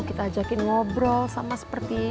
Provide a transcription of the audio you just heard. kita ajakin ngobrol sama seperti